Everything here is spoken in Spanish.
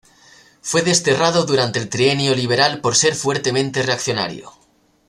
Fue desterrado durante el Trienio liberal por ser fuertemente reaccionario.